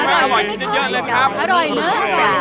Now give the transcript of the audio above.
อร่อยมาก